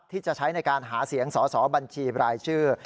ที่จะใช้ในการหาเสียงสอสอบัญชีบรายชื่อ